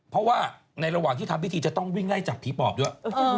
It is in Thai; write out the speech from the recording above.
เพราะว่าในระหว่างที่ทำพิธีจะต้องวิ่งไล่จับผีปอบด้วย